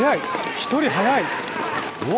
１人速い！